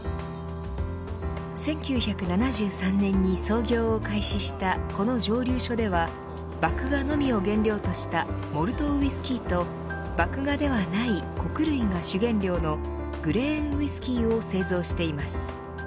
１９７３年に操業を開始したこの蒸留所では麦芽のみを原料としたモルトウイスキーと麦芽ではない穀類が主原料のグレーンウイスキーを製造しています。